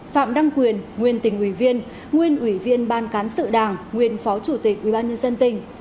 phạm đăng quyền nguyên tỉnh ủy viên nguyên ủy viên ban cán sự đảng nguyên phó chủ tịch ubnd tỉnh